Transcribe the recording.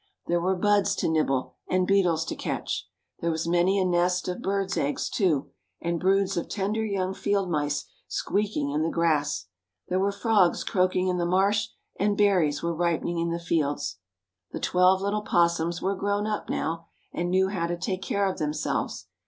There were buds to nibble and beetles to catch. There was many a nest of birds' eggs, too, and broods of tender young field mice squeaking in the grass. There were frogs croaking in the marsh, and berries were ripening in the fields. The twelve little opossums were grown up now, and knew how to take care of themselves.